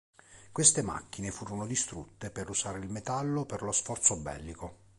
Queste macchine furono distrutte per usare il metallo per lo sforzo bellico.